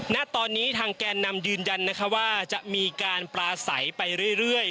ณตอนนี้ทางแกนนำยืนยันนะคะว่าจะมีการปลาใสไปเรื่อย